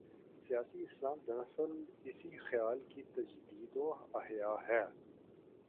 'سیاسی اسلام‘ دراصل اسی خیال کی تجدید و احیا ہے۔